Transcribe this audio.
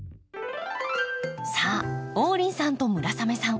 さあ王林さんと村雨さん